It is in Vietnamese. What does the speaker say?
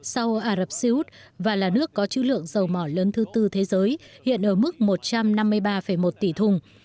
sau ả rập xê út và là nước có chữ lượng dầu mỏ lớn thứ tư thế giới hiện ở mức một trăm năm mươi ba một tỷ thùng